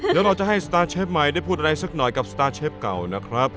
เดี๋ยวเราจะให้สตาร์เชฟใหม่ได้พูดอะไรสักหน่อยกับสตาร์เชฟเก่านะครับ